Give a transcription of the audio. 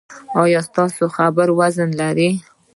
ایا ستاسو خبره وزن لري؟